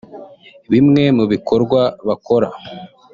Bimwe mu bikorwa bakora